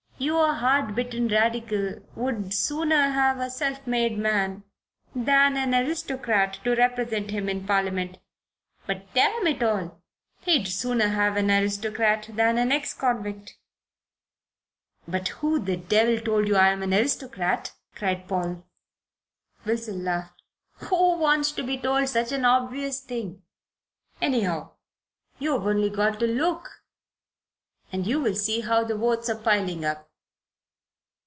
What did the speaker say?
Your hard bitten Radical would sooner have a self made man than an aristocrat to represent him in Parliament; but, damn it all, he'd sooner have an aristocrat than an ex convict." "But who the devil told you I'm an aristocrat?" cried Paul. Wilson laughed. "Who wants to be told such an obvious thing? Anyhow, you've only got to look and you'll see how the votes are piling up."